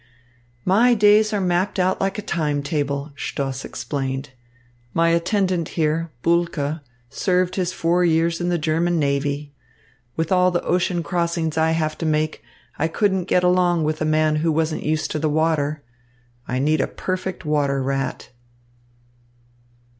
"My days are mapped out like a time table," Stoss explained. "My attendant here, Bulke, served his four years in the German navy. With all the ocean crossings I have to make, I couldn't get along with a man who wasn't used to the water. I need a perfect water rat."